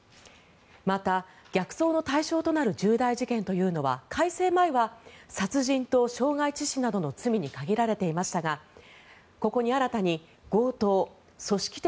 また、逆送の対象となる重大事件というのは改正前は殺人と傷害致死などの罪に限られていましたがここに新たに強盗、組織的